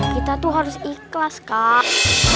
kita tuh harus ikhlas kak